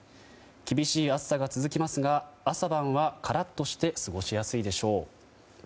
厳しい暑さが続きますが朝晩はカラッとして過ごしやすいでしょう。